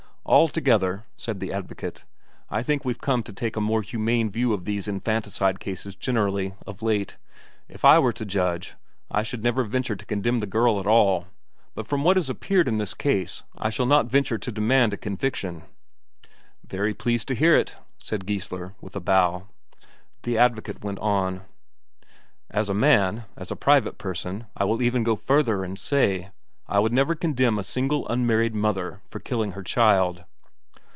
Altogether," said the advocate, "I think we've come to take a more humane view of these infanticide cases generally, of late. If I were to judge, I should never venture to condemn the girl at all; and from what has appeared in this case, I shall not venture to demand a conviction." "Very pleased to hear it," said Geissler, with a bow. The advocate went on: "As a man, as a private person, I will even go further, and say: I would never condemn a single unmarried mother for killing her child."